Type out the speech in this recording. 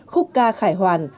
khúc ca khá là đẹp